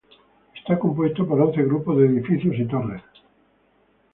Está compuesto por once grupos de edificios y torres.